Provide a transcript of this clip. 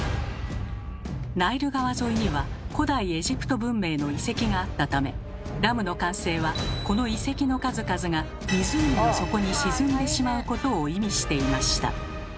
ナイル川沿いには古代エジプト文明の遺跡があったためダムの完成はこの遺跡の数々が湖の底に沈んでしまうことを意味していました。